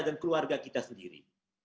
dan keluarga kita sendiri